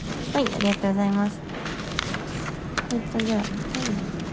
ありがとうございます。